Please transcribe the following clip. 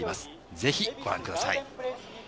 ぜひご覧ください。